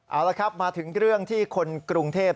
เอาละครับมาถึงเรื่องที่คนกรุงเทพ